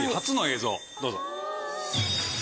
どうぞ。